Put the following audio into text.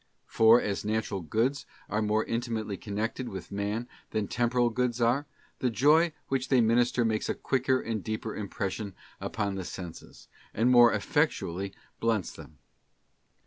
For, as natural goods are more intimately connected with man than temporal goods are, the ~ joy which they minister makes a quicker and deeper impres sion upon the senses, and more effectually blunts them.